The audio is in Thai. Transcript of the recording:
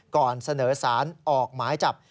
ก่อนเสนอสารออกหมายจับ